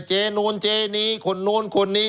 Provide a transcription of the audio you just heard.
เจ๊นนเจ๊นีคนนนคนนี